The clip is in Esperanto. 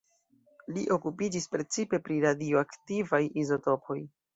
Li okupiĝis precipe pri radioaktivaj izotopoj.